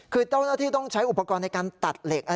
คือเจ้าหน้าที่ต้องใช้อุปกรณ์ในการตัดเหล็ก